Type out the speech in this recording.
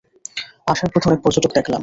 আসার পথে অনেক পর্যটক দেখলাম।